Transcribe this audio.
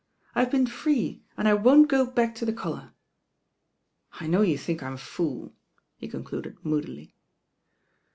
I've been free, and I won't go back to the collar. I know you think I'm a fool," he concluded moodily.